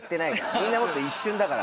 みんなもっと一瞬だから。